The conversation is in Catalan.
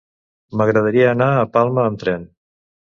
M'agradaria anar a Palma amb tren.